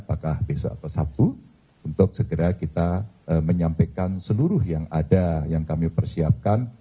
apakah besok atau sabtu untuk segera kita menyampaikan seluruh yang ada yang kami persiapkan